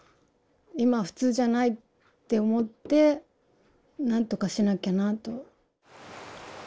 今普通じゃないって思ってなんとかしなきゃなと。